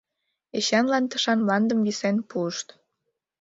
Эчанлан тышан мландым висен пуышт.